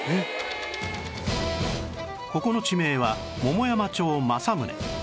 ここの地名は桃山町正宗